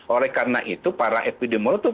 oleh karena itu para epidemiolog itu